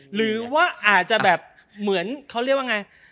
หรือว่าอาจจะแบบเขาเรียกว่าไง